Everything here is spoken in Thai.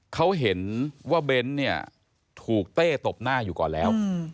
เขาเห็นว่าเบ้นเนี่ยถูกเต้ตบหน้าอยู่ก่อนแล้ว